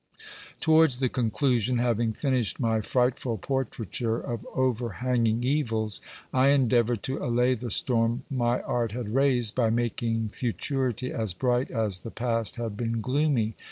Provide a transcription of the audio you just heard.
Towards the conclusion, having finished my frightful portraiture of over hanging evils, I endeavoured to allay the storm my art had raised by making futurity as bright as the past had been gloomy.